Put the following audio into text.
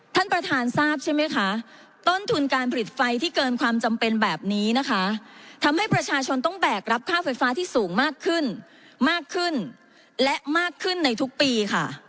ท่านประธานทราบใช่ไหมคะต้นทุนการผลิตไฟที่เกินความจำเป็นแบบนี้นะคะทำให้ประชาชนต้องแบกรับค่าไฟฟ้าที่สูงมากขึ้นมากขึ้นและมากขึ้นในทุกปีค่ะ